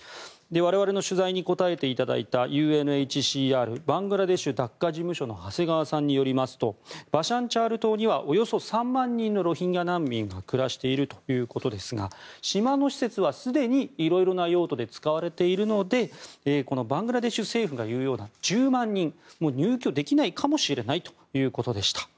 我々の取材に答えていただいたＵＮＨＣＲバングラデシュ・ダッカ事務所の長谷川さんによりますとバシャンチャール島にはおよそ３万人のロヒンギャ難民が暮らしているということですが島の施設は、すでにいろいろな用途で使われているのでこのバングラデシュ政府がいうような１０万人入居できないかもしれないということでした。